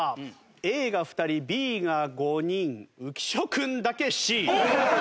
Ａが２人Ｂが５人浮所君だけＣ。